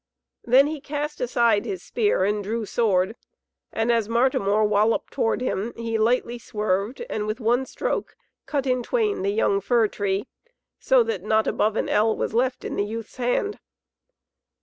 Then he cast aside his spear and drew sword, and as Martimor walloped toward him, he lightly swerved, and with one stroke cut in twain the young fir tree, so that not above an ell was left in the youth's hand.